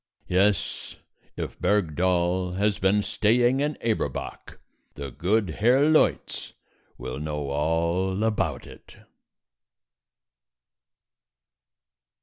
Yes, if Bergdoll has been staying in Eberbach, the good Herr Leutz will know all about it.